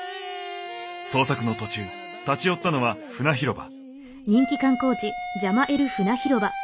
捜索の途中立ち寄ったのはフナ広場。